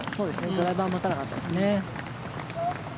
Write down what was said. ドライバーを持たなかったですね。